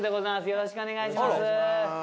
よろしくお願いします。